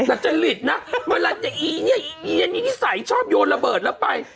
แต่จะหลีดนะเวลาจะอีเนี่ยอีอันนี้ที่ใส่ชอบโยนระเบิดแล้วไป